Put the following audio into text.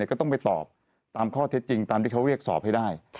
ก็ต้องไปตอบตามข้อเท็จจริงตามที่เขาเรียกสอบให้ได้